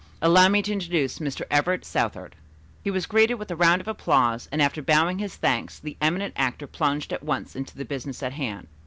Allow me to introduce Mr. Everett Southard." He was greeted with a round of applause, and after bowing his thanks, the eminent actor plunged at once into the business at hand.